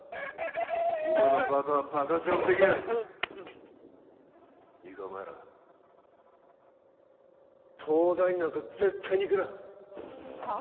今のバカはバカヅラもできねえのかいいかお前ら東大になんか絶対に行くなはあ？